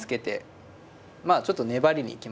まあちょっと粘りに行きましたね。